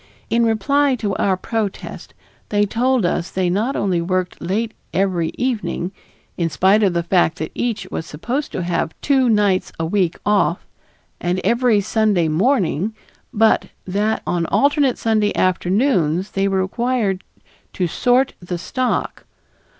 In reply to our protest they told us they not only worked late every evening, in spite of the fact that each was supposed to have "two nights a week off," and every Sunday morning, but that on alternate Sunday afternoons they were required "to sort the stock."